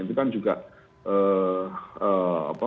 itu kan juga